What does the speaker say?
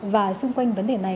và xung quanh vấn đề này